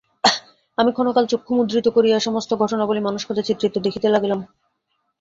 আমি ক্ষণকাল চক্ষু মুদ্রিত করিয়া সমস্ত ঘটনাবলী মানসপটে চিত্রিত দেখিতেলাগিলাম।